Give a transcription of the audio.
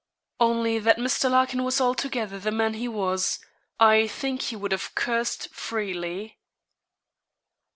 Only that Mr. Larkin was altogether the man he was, I think he would have cursed freely.